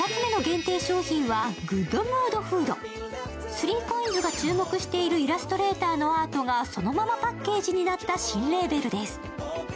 ３ＣＯＩＮＳが注目しているイラストレータ−のアートがそのままパッケージになった新レーベルです。